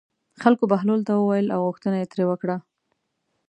خلکو بهلول ته وویل او غوښتنه یې ترې وکړه.